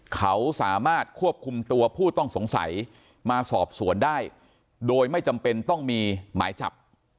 เขาสามารถควบคุมตัวผู้ต้องสงสัยมาสอบสวนได้โดยไม่จำเป็นต้องมีหมายจับ